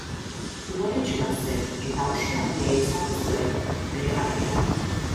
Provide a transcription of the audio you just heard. Umoretsua zen eta ospe handia izan zuen bere garaian.